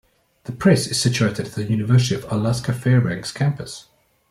The press is situated at the University of Alaska Fairbanks campus.